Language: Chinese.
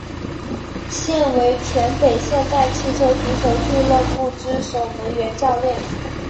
现为全北现代汽车足球俱乐部之守门员教练。